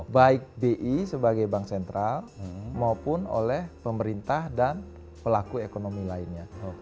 baik bi sebagai bank sentral maupun oleh pemerintah dan pelaku ekonomi lainnya